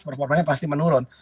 performanya pasti menurun